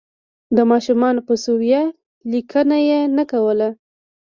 د ماشومانو په سویه لیکنه یې نه کوله.